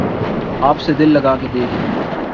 آپ سے دل لگا کے دیکھ لیا